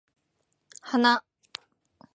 花